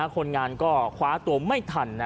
คนงานก็คว้าตัวไม่ทัน